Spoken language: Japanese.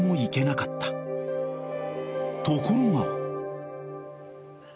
［ところが］